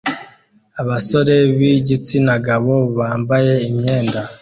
Abasore b'igitsina gabo bambaye imyenda